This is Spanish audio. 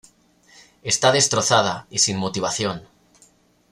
Está destrozada y sin motivación.